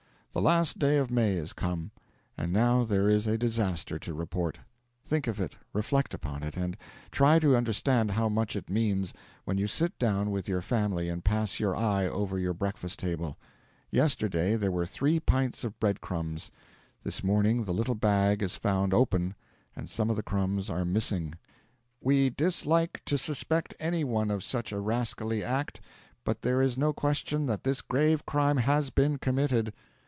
The last day of May is come. And now there is a disaster to report: think of it, reflect upon it, and try to understand how much it means, when you sit down with your family and pass your eye over your breakfast table. Yesterday there were three pints of bread crumbs; this morning the little bag is found open and some of the crumbs are missing. 'We dislike to suspect any one of such a rascally act, but there is no question that this grave crime has been committed.